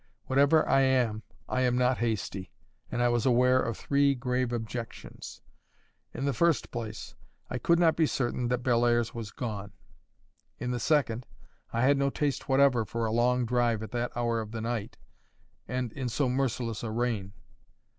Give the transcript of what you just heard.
Whatever I am, I am not hasty, and I was aware of three grave objections. In the first place, I could not be certain that Bellairs was gone. In the second, I had no taste whatever for a long drive at that hour of the night and in so merciless a rain.